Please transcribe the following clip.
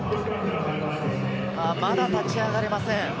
まだ立ち上がれません。